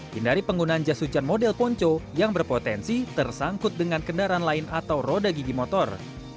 hindari penggunaan jas hujan model ponco yang berpotensi tersangkut dengan kendaraan lain atau roda gigi motor